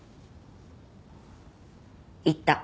言った。